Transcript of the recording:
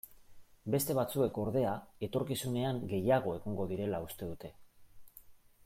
Beste batzuek, ordea, etorkizunean gehiago egongo direla uste dute.